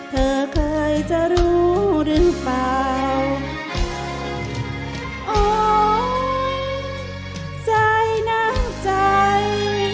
เธอเคยจะรู้หรือเปล่าโอ้ใส่น้ำใจ